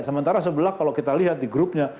sementara sebelah kalau kita lihat di grupnya